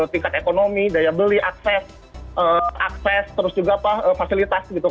tingkat ekonomi daya beli akses terus juga fasilitas gitu